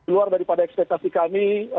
luar daripada ekspektasi kami